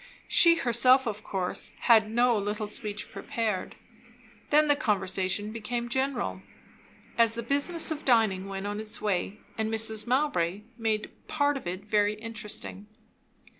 She herself, of course, had no little speech prepared. Then the conversation became general, as the business of dining went on its way, and Mrs. Mowbray made part of it very interesting.